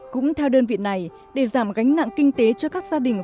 cũng theo đơn vị này để giảm gánh nặng kinh tế cho các gia đình